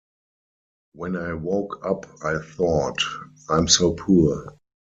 When I woke up I thought: I'm so poor.